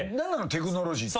テクノロジーって。